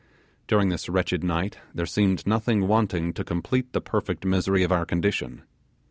During this wretched night there seemed nothing wanting to complete the perfect misery of our condition.